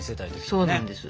そうなんです。